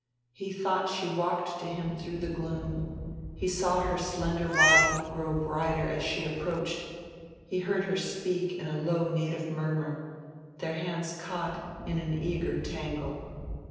He thought she walked to him through the gloom; he saw her slender body grow brighter as she approached; he heard her speak in a low native murmur; their hands caught in an eager tangle.